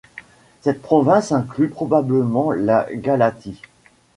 Cette province inclut probablement la Galatie.